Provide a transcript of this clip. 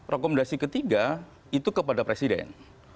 rekomendasi ketiga itu kepada presiden